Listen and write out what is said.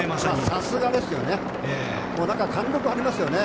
さすがですよね。